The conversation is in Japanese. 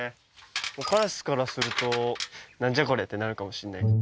カラスからすると「何じゃこれ」ってなるかもしれない。